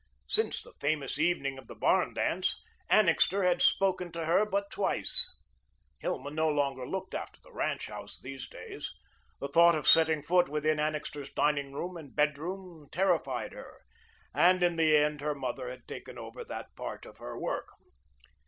Since the famous evening of the barn dance, Annixter had spoken to her but twice. Hilma no longer looked after the ranch house these days. The thought of setting foot within Annixter's dining room and bed room terrified her, and in the end her mother had taken over that part of her work.